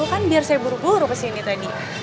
kan biar saya buru buru pas ini tadi